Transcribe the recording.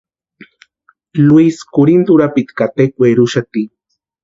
Luisa kurhinta urapiti ka tekweri úxati.